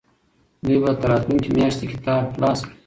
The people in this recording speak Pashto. دوی به تر راتلونکې میاشتې کتاب خلاص کړي.